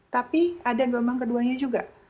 tapi ada gelombang keduanya juga